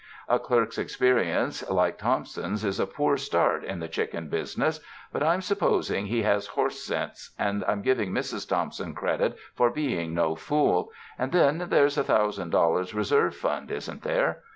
A clerk's experience, like Thomp son's, is a poor start in the chicken business, but I'm supposing he has horse sense, and I'm giving Mrs. Thompson credit for being no fool, and then there's a thousand dollars reserve fund, isn't there!